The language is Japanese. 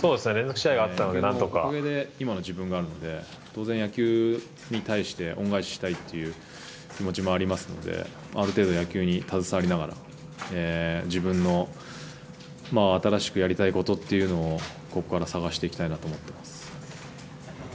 おかげで今の自分があるので当然、野球に対して恩返ししたいという気持ちもあるのである程度、野球に携わりながら自分の新しくやりたいことをここから探していきたいなと思っています。